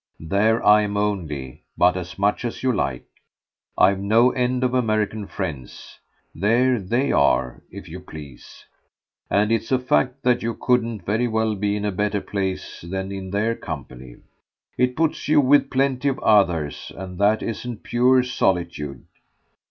There I am only but as much as you like. I've no end of American friends: there THEY are, if you please, and it's a fact that you couldn't very well be in a better place than in their company. It puts you with plenty of others and that isn't pure solitude."